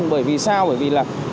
bởi vì sao bởi vì là